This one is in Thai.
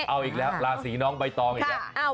เอาอีกแล้วราศีน้องใบตองอีกแล้ว